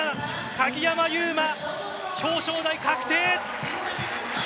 鍵山優真表彰台確定！